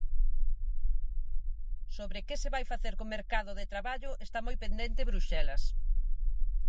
Sobre que se vai facer co mercado de traballo está moi pendente Bruxelas.